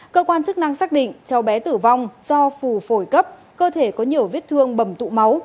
cơ quan chức năng xác định cháu bé tử vong do phù phổi cấp cơ thể có nhiều vết thương bầm tụ máu